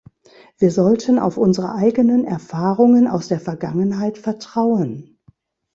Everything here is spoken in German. Wir sollten auf unsere eigenen Erfahrungen aus der Vergangenheit vertrauen.